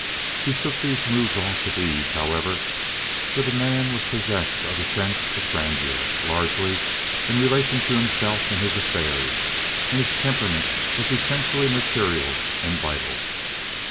He shook these moods off with ease, however, for the man was possessed of a sense of grandeur, largely in relation to himself and his affairs; and his temperament was essentially material and vital.